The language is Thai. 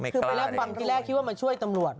คือไปรับฟังที่แรกคิดว่ามาช่วยตำรวจ